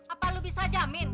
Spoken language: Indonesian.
apa lu bisa jamin